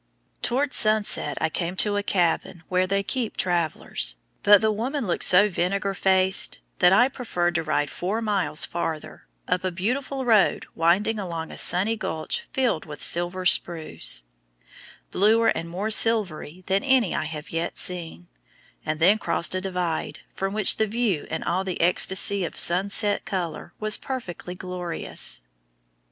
Towards sunset I came to a cabin where they "keep travelers," but the woman looked so vinegar faced that I preferred to ride four miles farther, up a beautiful road winding along a sunny gulch filled with silver spruce, bluer and more silvery than any I have yet seen, and then crossed a divide, from which the view in all the ecstasy of sunset color was perfectly glorious.